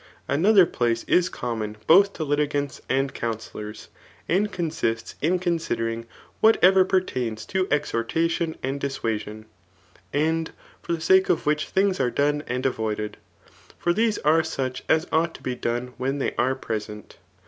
Another place is common both to liti gants and counsellors^ and consists in considering what* ever pertains to exhortation and dissuasion, and for the sake of which things are done and avoided ; for these are such as ought to be done when they are present.